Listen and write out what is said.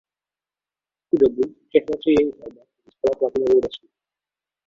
V tu dobu všechna tři jejich alba získala platinovou desku.